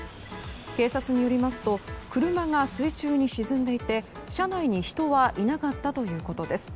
警察によりますと車が水中に沈んでいて車内に人はいなかったということです。